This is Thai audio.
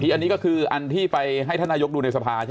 อันนี้ก็คืออันที่ไปให้ท่านนายกดูในสภาใช่ไหม